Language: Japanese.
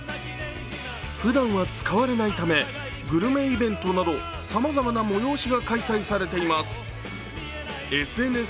ふだんは使われないためグルメイベントなどさまざまな催しが開催されています。